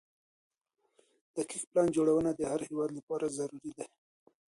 دقيق پلان جوړونه د هر هيواد لپاره ضروري ده.